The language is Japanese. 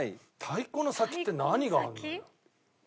太鼓の先って何があるの？